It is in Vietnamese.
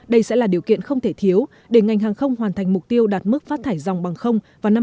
đây sẽ là điều kiện không thể thiếu để ngành hàng không hoàn thành mục tiêu đạt mức phát thải dòng bằng không vào năm hai nghìn ba mươi